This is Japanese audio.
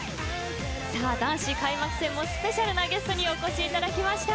さあ、男子開幕戦もスペシャルなゲストにお越しいただきました。